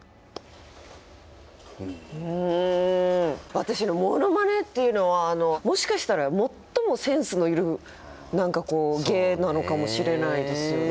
私モノマネっていうのはもしかしたら最もセンスのいる何かこう芸なのかもしれないですよね。